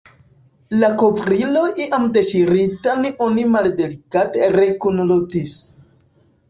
La kovrilon iam deŝiritan oni maldelikate rekunlutis.